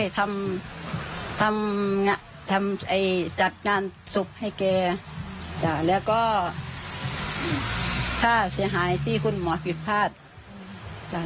ทำจัดงานศพให้แกแล้วก็ค่าเสียหายที่คุณหมอผิดพลาดจ้ะ